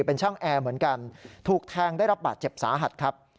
เป็นช่างแอร์เหมือนกันถูกแทงได้รับบาดเจ็บสาหัสครับ